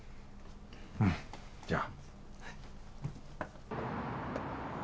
うんじゃ颯！